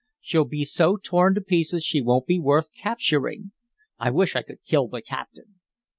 "She'll be so torn to pieces she won't be worth capturing. I wish I could kill the captain."